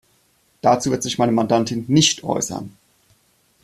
Dazu wird sich meine Mandantin nicht äußern.